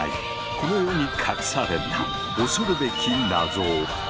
この世に隠された恐るべき謎を。